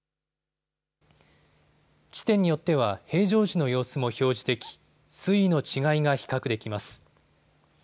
地点によっては平常時の様子も表示でき水位の違いが比較できます。